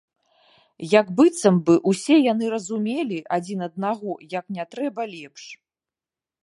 Як быццам бы ўсе яны разумелі адзін аднаго як не трэба лепш.